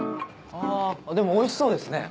あでもおいしそうですね。